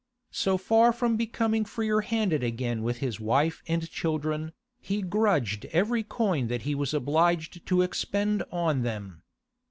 So far from becoming freer handed again with his wife and children, he grudged every coin that he was obliged to expend on them.